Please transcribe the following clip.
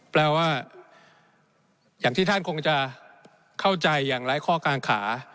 แปลว่าอย่างที่ท่านคงจะเข้าใจอย่างไร้ข้อกางขา